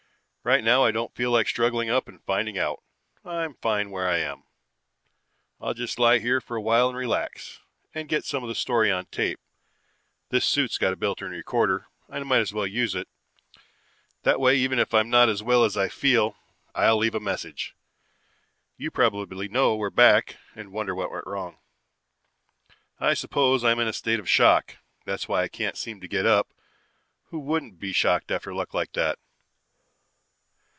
Right now I don't feel like struggling up and finding out. I'm fine where I am. I'll just lie here for a while and relax, and get some of the story on tape. This suit's got a built in recorder, I might as well use it. That way even if I'm not as well as I feel, I'll leave a message. You probably know we're back and wonder what went wrong. "I suppose I'm in a state of shock. That's why I can't seem to get up. Who wouldn't be shocked after luck like that?